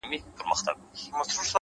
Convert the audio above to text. هره پوښتنه د پوهې دروازه ده،